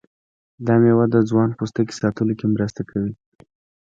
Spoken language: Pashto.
دا میوه د ځوان پوستکي ساتلو کې مرسته کوي.